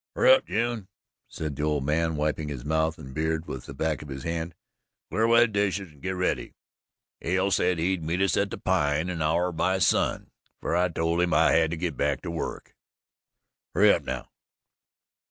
"Hurry up, June," said the old man, wiping his mouth and beard with the back of his hand. "Clear away the dishes an' git ready. Hale said he would meet us at the Pine an' hour by sun, fer I told him I had to git back to work. Hurry up, now!"